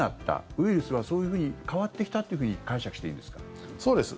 ウイルスはそういうふうに変わってきたというふうにそうです。